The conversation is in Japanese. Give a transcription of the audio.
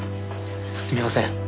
すみません。